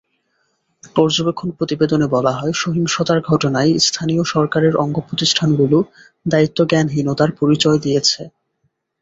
পর্যবেক্ষণ প্রতিবেদনে বলা হয়, সহিংসতার ঘটনায় স্থানীয় সরকারের অঙ্গপ্রতিষ্ঠানগুলো দায়িত্বজ্ঞানহীনতার পরিচয় দিয়েছে।